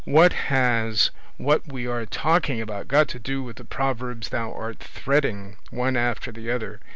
What has what we are talking about got to do with the proverbs thou art threading one after the other?